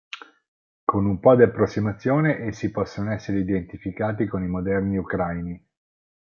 Con un po' di approssimazione essi possono essere identificati con i moderni Ucraini.